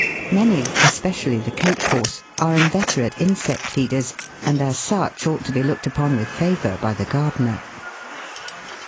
Many, especially the Coach horse, are inveterate insect feeders, and as such ought to be looked upon with favour by the gardener.